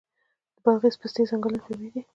د بادغیس پستې ځنګلونه طبیعي دي؟